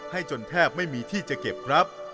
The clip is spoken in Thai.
จนแทบไม่มีที่จะเก็บครับ